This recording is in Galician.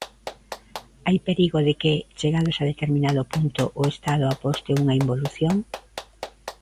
Hai perigo de que, chegados a determinado punto, o Estado aposte nunha involución?